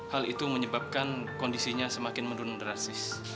hal itu menyebabkan kondisinya semakin menurun drastis